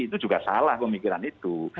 itu juga salah pemikiran itu